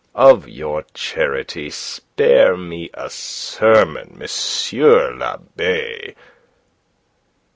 "Of your charity, spare me a sermon, M. l'abbe!"